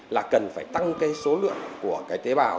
là cần phải tăng cái số lượng của cái tế bào